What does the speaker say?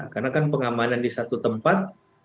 karena kan pengamanan di satu tempat